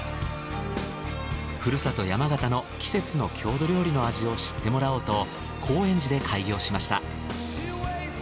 ふるさと山形の季節の郷土料理の味を知ってもらおうと高円寺で開業しました。